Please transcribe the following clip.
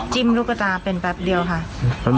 จัดกระบวนพร้อมกัน